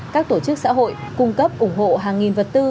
các tổ chức xã hội cung cấp ủng hộ hàng nghìn vật tư